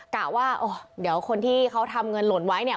กะว่าเดี๋ยวคนที่เขาทำเงินหล่นไว้เนี่ย